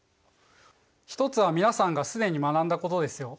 一つは皆さんが既に学んだことですよ。